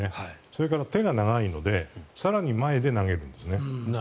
それから手が長いので更に前で投げるんですね。